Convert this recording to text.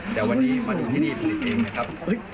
แต่วันนี้มาดูที่นี่ผลิตเองนะครับ